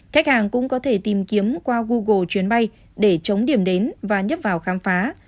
khách hàng cũng có thể tìm kiếm qua google chuyến bay để chống điểm đến và nhấp vào khám phá